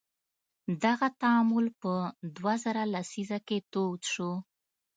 دغه تعامل په دوه زره لسیزه کې دود شو.